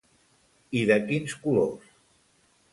I de quins colors?